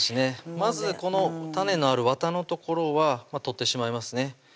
まずこの種のあるわたの所は取ってしまいますね